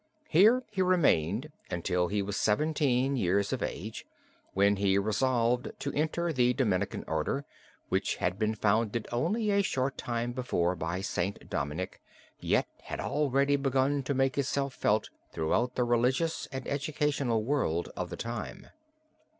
Here he remained until he was seventeen years of age when he resolved to enter the Dominican Order, which had been founded only a short time before by St. Dominic, yet had already begun to make itself felt throughout the religious and educational world of the time.